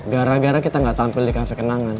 gara gara kita gak tampil di kafe kenangan